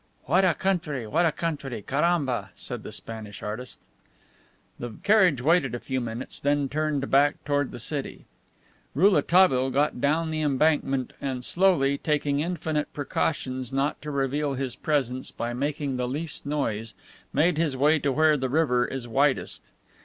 "What a country! What a country! Caramba!" said the Spanish artist. The carriage waited a few minutes, then turned back toward the city. Rouletabille got down the embankment and slowly, taking infinite precautions not to reveal his presence by making the least noise, made his way to where the river is widest.